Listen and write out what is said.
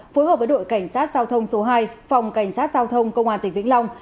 phối hợp với đội cảnh sát giao thông số hai phòng cảnh sát giao thông công an tỉnh vĩnh long